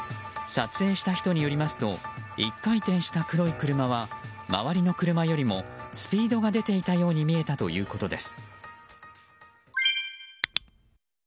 撮影した人によりますと１回転した黒い車は周りの車よりもスピードが出ていたように見えたということです。